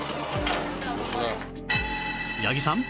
八木さん。